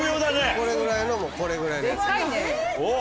これぐらいのこれぐらいのやつ。